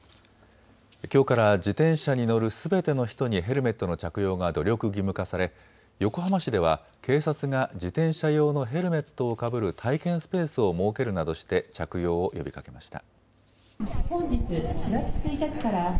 きょうから自転車に乗るすべての人にヘルメットの着用が努力義務化され、横浜市では警察が自転車用のヘルメットをかぶる体験スペースを設けるなどして着用を呼びかけました。